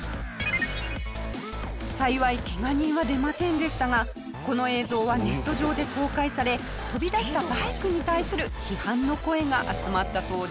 幸いケガ人は出ませんでしたがこの映像はネット上で公開され飛び出したバイクに対する批判の声が集まったそうです。